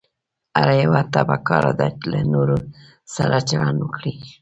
هر يوه ته پکار ده له نورو سره چلند وکړي.